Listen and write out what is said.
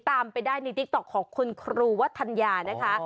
ตามไปได้ในติ๊กต๊อกของคุณครูวัฒนยานะคะ